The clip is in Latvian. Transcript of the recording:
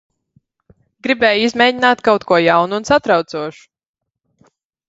Gribēju izmēģināt kaut ko jaunu un satraucošu.